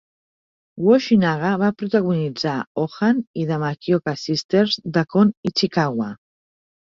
Yoshinaga va protagonitzar "Ohan" i "The Makioka Sisters" de Kon Ichikawa.